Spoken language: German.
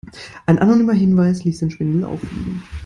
Ein anonymer Hinweis ließ den Schwindel auffliegen.